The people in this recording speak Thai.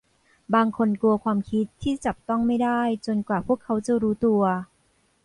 บางคนกลัวความคิดที่จับต้องไม่ได้จนกว่าพวกเขาจะรู้ตัว